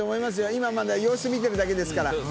今まだ様子見てるだけですから。